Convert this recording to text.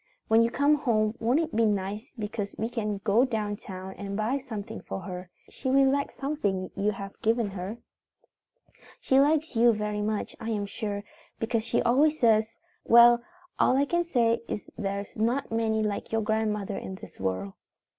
When you come home won't it be nice because we can go down town and buy something for her. She will like something you have given her. "She likes you very much, I am sure, because she always says, 'Well, all I can say is there's not many like your grandmother in this world.'